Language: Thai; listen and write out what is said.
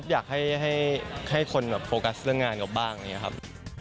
ก๊อบอยากให้คนโฟกัสเรื่องงานกับบ้างนะครับ